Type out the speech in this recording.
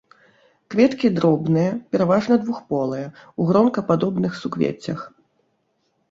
Кветкі дробныя, пераважна двухполыя, у гронкападобных суквеццях.